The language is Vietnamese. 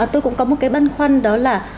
tôi cũng có một cái băn khoăn đó là